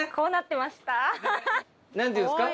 何ていうんですか？